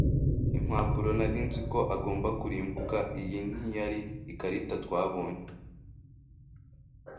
impapuro nari nzi ko agomba kurimbuka. Iyi ntiyari ikarita twabonye